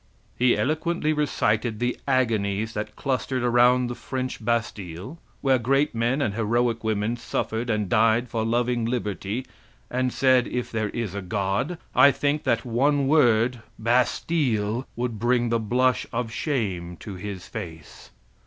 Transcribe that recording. (He eloquently recited the agonies that clustered around the French Bastille, where great men and heroic women suffered and died for loving liberty, and said: If there is a God, I think that one word, Bastille, would bring the blush of shame to His face.)